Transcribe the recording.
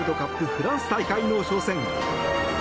フランス大会の初戦。